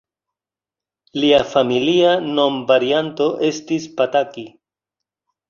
Lia familia nomvarianto estis Pataki.